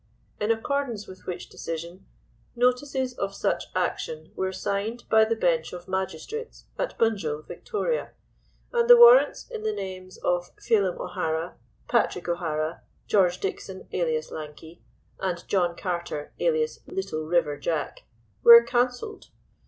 'In accordance with which decision, notices of such action were signed by the bench of magistrates at Bunjil, Victoria, and the warrants, in the names of Phelim O'Hara, Patrick O'Hara, George Dixon (alias Lanky), and John Carter (alias Little River Jack), were cancelled.